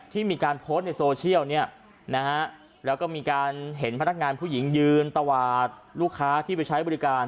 มีการโพสต์ในโซเชียลเนี่ยนะฮะแล้วก็มีการเห็นพนักงานผู้หญิงยืนตวาดลูกค้าที่ไปใช้บริการ